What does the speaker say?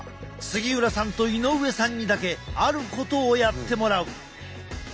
杉浦さんと井上さんにだけあることをやってもらう。